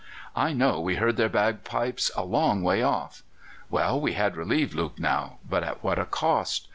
I know we heard their bagpipes a long way off. Well, we had relieved Lucknow, but at what a cost!